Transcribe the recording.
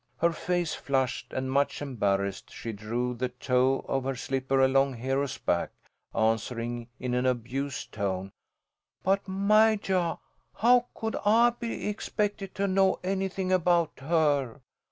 Her face flushed, and much embarrassed, she drew the toe of her slipper along Hero's back, answering, in an abused tone: "But, Majah, how could I be expected to know anything about her?